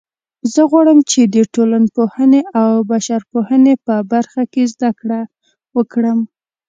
زه غواړم چې د ټولنپوهنې او بشرپوهنې په برخه کې زده کړه وکړم